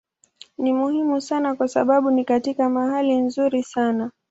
Ni muhimu sana kwa sababu ni katika mahali nzuri sana.